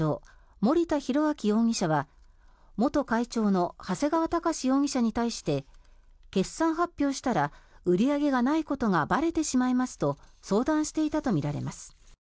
森田浩章容疑者は元会長の長谷川隆志容疑者に対して決算発表したら売り上げがないことがばれてしまいますとばれてしまいますと相談していたとみられます。